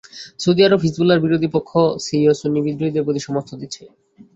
Saudi আরব হিজবুল্লাহর বিরোধী পক্ষ সিরীয় সুন্নি বিদ্রোহীদের প্রতি সমর্থন দিচ্ছে।